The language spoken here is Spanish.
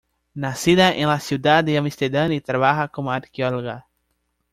Nacida en la ciudad de Ámsterdam y trabaja como arqueóloga.